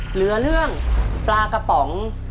เหลือเรื่องปลากระป๋อง